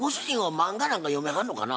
漫画なんか読みはんのかな？